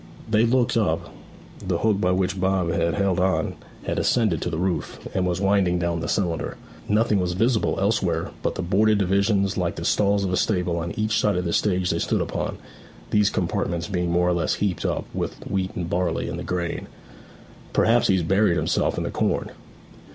They looked up. The hook by which Bob had held on had ascended to the roof, and was winding round the cylinder. Nothing was visible elsewhere but boarded divisions like the stalls of a stable, on each side of the stage they stood upon, these compartments being more or less heaped up with wheat and barley in the grain. 'Perhaps he's buried himself in the corn.'